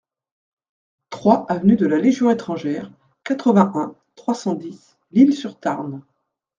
trois avenue de la Légion Etrangère, quatre-vingt-un, trois cent dix, Lisle-sur-Tarn